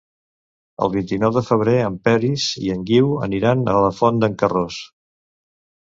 El vint-i-nou de febrer en Peris i en Guiu aniran a la Font d'en Carròs.